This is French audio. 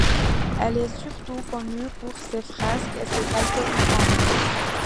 Elle est surtout connue pour ses fresques et ses quelques icônes.